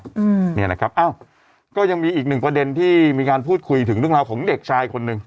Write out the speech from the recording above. อืมเนี่ยนะครับอ้าวก็ยังมีอีกหนึ่งประเด็นที่มีการพูดคุยถึงเรื่องราวของเด็กชายคนหนึ่ง